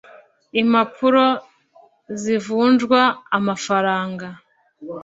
impapuro zivunjwa amafaranga